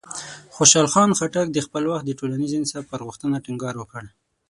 خوشحال خان خټک د خپل وخت د ټولنیز انصاف پر غوښتنه ټینګار وکړ.